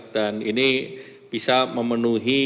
dan ini bisa memenuhi